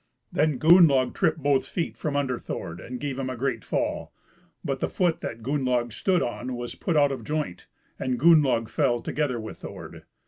Then Gunnlaug tripped both feet from under Thord, and gave him a. great fall; but the foot that Gunnlaug stood on was put out of joint, and Gunnlaug fell together with Thord.